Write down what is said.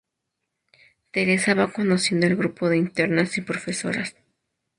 Teresa va conociendo al grupo de internas y profesoras.